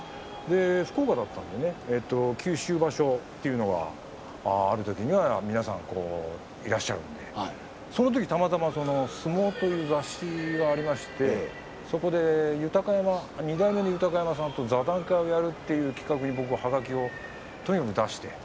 福岡だったんでね九州場所というのはあるときには皆さんいらっしゃるのでそのときたまたま「相撲」という雑誌がありましてそこで２代目の豊山さんと座談会をやるという企画ではがきを出して